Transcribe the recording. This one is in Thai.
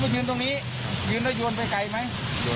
โยนตรงเลยตรงนั้น